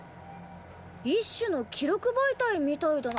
一種の記録媒体みたいだな。